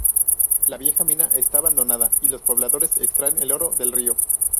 La vieja mina está abandonada y los pobladores extraen el oro del río.